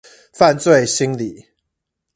犯罪心理